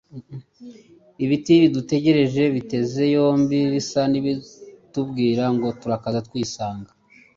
ibiti bidutegereje biteze yombi bisa n'ibitubwira ngo turakaza neza turisanga